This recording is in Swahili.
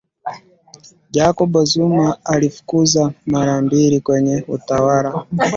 jacob zuma alifukuza mara mbili kwenye utawala